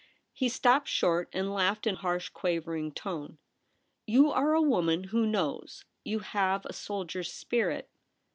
287 He Stopped short, and laughed in harsh, quavering tone. ' You are a woman who knows — you have a soldier's spirit.